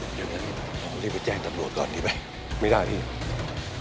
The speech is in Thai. เฮ้ยเดี๋ยวนั้นเราต้องรีบไปแจ้งตำรวจก่อนดีกว่าไม่ได้อีก